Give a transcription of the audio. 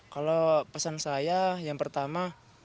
kalau pesan saya yang pertama